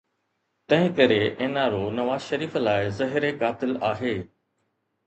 تنهن ڪري N R O Nawaz Sharif لاءِ زهر قاتل آهي.